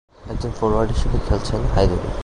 একজন ফরোয়ার্ড হিসেবে খেলছেন হায়দরি।